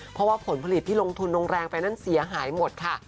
เพราะว่าผลผลิตที่ลงทุนลงแรงไปนั้นเสียหายหมดค่ะ